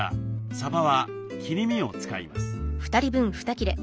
さばは切り身を使います。